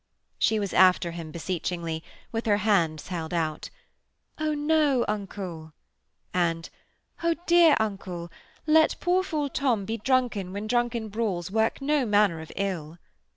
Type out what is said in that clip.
She was after him beseechingly, with her hands held out: 'Oh no, uncle,' and 'Oh, dear uncle. Let poor fool Tom be drunken when drunken brawls work no manner of ill.'